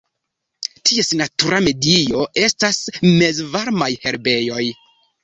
Ties natura medio estas mezvarmaj herbejoj.